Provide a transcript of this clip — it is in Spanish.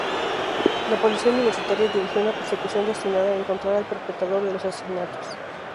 La policía universitaria dirigió una persecución destinada a encontrar al perpetrador de los asesinatos.